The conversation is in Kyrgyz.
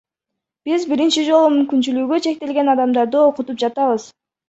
Биз биринчи жолу мүмкүнчүлүгү чектелген адамдарды окутуп жатабыз.